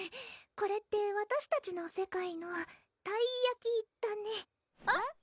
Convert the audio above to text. これってわたしたちの世界のたいやきだねえっ？